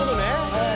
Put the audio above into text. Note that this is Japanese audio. はい。